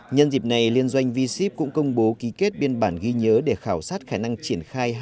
nhân dịp này liên doanh v ship cũng công bố ký kết biên bản ghi nhớ để khảo sát khả năng triển khai